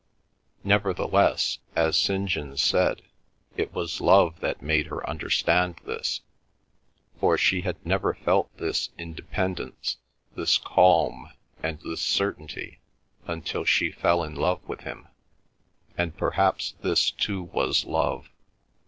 Nevertheless, as St. John said, it was love that made her understand this, for she had never felt this independence, this calm, and this certainty until she fell in love with him, and perhaps this too was love.